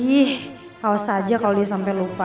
ih haus aja kalo dia sampe lupa